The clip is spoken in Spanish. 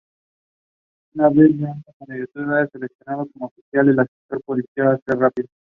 Una vez que un candidato era seleccionado como oficial, el ascenso podía ser rápido.